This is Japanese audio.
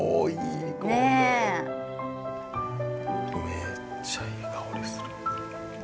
めっちゃいい香りする。